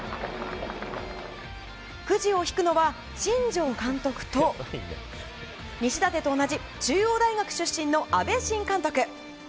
くじを引くのは新庄監督と西舘と同じ中央大学出身の阿部新監督。